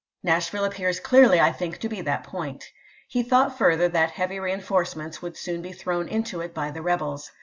Nashville appears clearly, I think, to be that point." He thought further that heavy reenforcements would soon be thrown into it by the rebels.